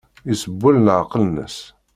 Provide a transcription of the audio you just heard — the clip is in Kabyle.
Isewwel leɛqel-nnes.